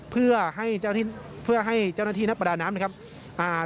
เพื่อให้เจ้าหน้าที่นักประดาน้ำ